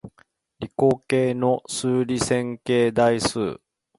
理工系の数理線形代数